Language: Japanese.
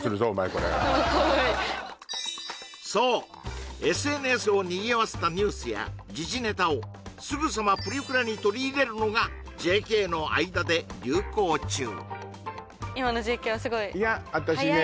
これそうＳＮＳをにぎわせたニュースや時事ネタをすぐさまプリクラに取り入れるのがＪＫの間で流行中いや私ね